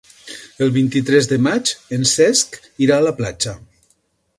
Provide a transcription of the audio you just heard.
El vint-i-tres de maig en Cesc irà a la platja.